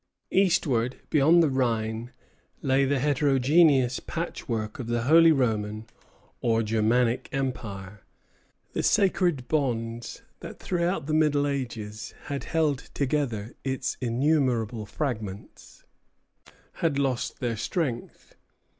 Eastward, beyond the Rhine, lay the heterogeneous patchwork of the Holy Roman, or Germanic, Empire. The sacred bonds that throughout the Middle Ages had held together its innumerable fragments, had lost their strength.